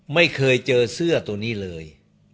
ไม่เคยเจอเสื้อตัวนี้เลย